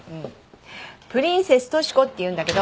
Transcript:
プリンセストシコっていうんだけど。